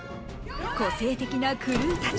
個性的なクルーたち